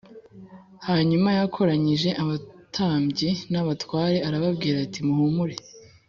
Hanyuma yakoranyije abatambyi n abatware arababwira ati muhumure